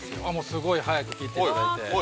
すごい早く切っていただいて。